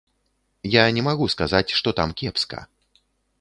Я не магу сказаць, што там кепска.